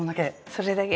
それだけ。